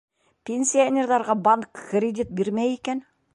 Пенсионерҙарға банк кредит бирмәй икән.